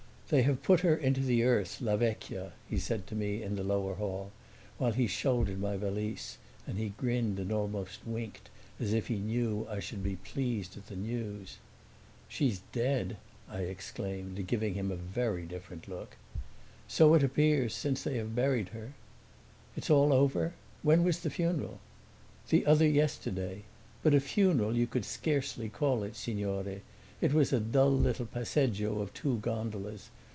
"They have put her into the earth, la vecchia," he said to me in the lower hall, while he shouldered my valise; and he grinned and almost winked, as if he knew I should be pleased at the news. "She's dead!" I exclaimed, giving him a very different look. "So it appears, since they have buried her." "It's all over? When was the funeral?" "The other yesterday. But a funeral you could scarcely call it, signore; it was a dull little passeggio of two gondolas.